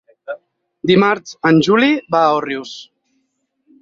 Dimarts en Juli va a Òrrius.